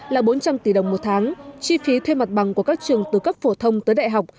là bốn trăm linh tỷ đồng một tháng chi phí thuê mặt bằng của các trường từ cấp phổ thông tới đại học